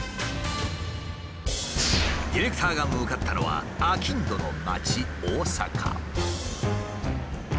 ディレクターが向かったのは商人の街大阪。